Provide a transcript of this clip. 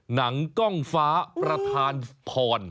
หนังกล้องฟ้าประธานพร